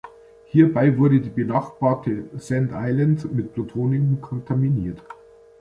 Hierbei wurde die benachbarte Sand Island mit Plutonium kontaminiert.